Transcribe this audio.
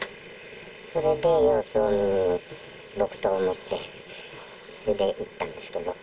それで様子を見に、木刀を持って、それで行ったんですけど。